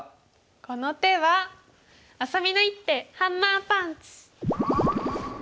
この手はあさみの一手ハンマーパンチ！